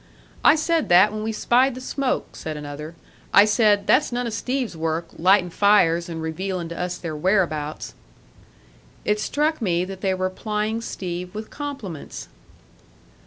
"I said that when we spied the smoke," said another. "I said, 'That's none of Steve's work, lighting fires and revealing to us their whereabouts.'" It struck me that they were plying Steve with compliments.